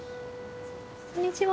こんにちは。